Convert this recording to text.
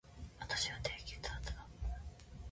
私は低血圧だ